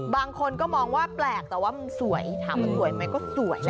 บางคนก็มองว่าแปลกแต่ว่ามันสวยถามว่าสวยไหมก็สวยนะ